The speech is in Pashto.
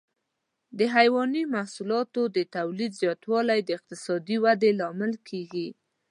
د حيواني محصولاتو د تولید زیاتوالی د اقتصادي ودې لامل کېږي.